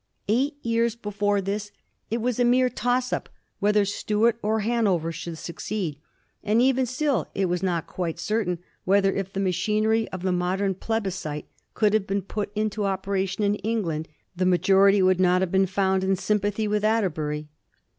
Eight years before this it was a mere toss up whether Stuart or Hanover should succeed, and even still it was not quite certain whether, if the machinery of the modem plebiscite could have been put into operation in Eng land, the majority would not have been found in sympathy with Atterbury.